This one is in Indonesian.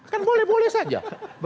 kan boleh boleh saja